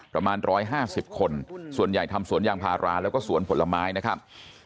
ประมาณ๑๕๐คนส่วนใหญ่ทำสวนยางพาราแล้วก็สวนผลไม้นะครับ